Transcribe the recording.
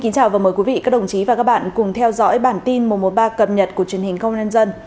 chào mừng quý vị đến với bản tin một trăm một mươi ba cập nhật của truyền hình công an nhân dân